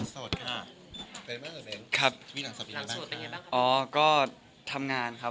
สวัสดีครับ